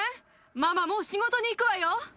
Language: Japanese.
ママもう仕事に行くわよ。